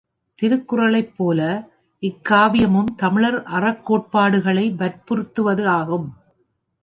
திருக்குறளைப் போல இக்காவியமும் தமிழர் அறக் கோட்பாடுகளை வற்புறுத்துவது ஆகும்.